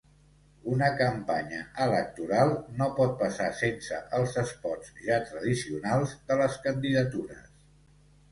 Una campanya electoral no pot passar sense els espots ja tradicionals de les candidatures.